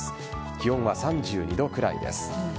気温は３２度くらいです。